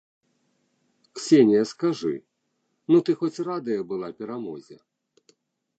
Ксенія, скажы, ну ты хоць радая была перамозе?